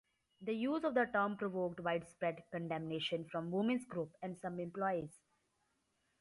The use of the term provoked widespread condemnation from women's groups and some employers.